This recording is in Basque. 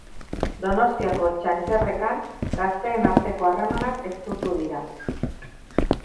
Donostiako Txantxarrekan gazteen arteko harremanak estutu dira.